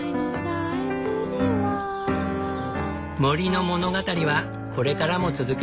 森の物語はこれからも続く。